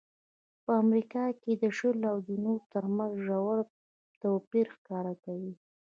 خو په امریکا کې د شل او جنوب ترمنځ ژور توپیر ښکاره کوي.